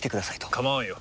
構わんよ。